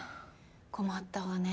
困ったわね。